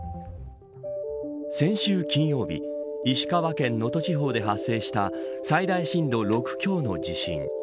先週金曜日石川県能登地方で発生した最大震度６強の地震。